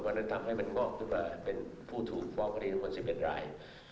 เพราะนั้นทำให้มันงอกทุกรายเป็นผู้ถูกฟ้างคดีของคน๑๑ราย